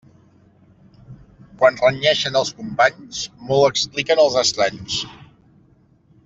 Quan renyeixen els companys, molt expliquen als estranys.